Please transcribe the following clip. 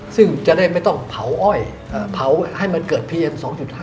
ซึ่งจะได้ไม่ต้องเผาอ้อยเผาให้มันเกิดเพียง๒๕